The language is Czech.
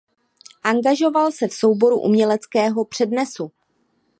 Angažoval se v souboru uměleckého přednesu.